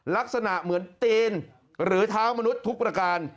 ลักษณะเหมือนตีนหรือเท้ามนุษย์ทุกประการ